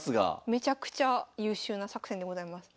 めちゃくちゃ優秀な作戦でございます。